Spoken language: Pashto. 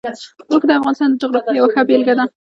اوښ د افغانستان د جغرافیې یوه ښه بېلګه ده.